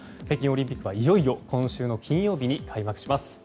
北京オリンピックは、いよいよ今週金曜日に開幕します。